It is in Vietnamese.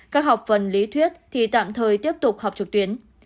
các học phần lý thuyết thì tạm thời tiếp tục học trực tuyến